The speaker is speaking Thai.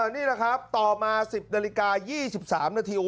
นี่แหละครับต่อมา๑๐นาฬิกา๒๓นาที